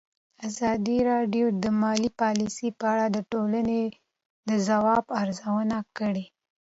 ازادي راډیو د مالي پالیسي په اړه د ټولنې د ځواب ارزونه کړې.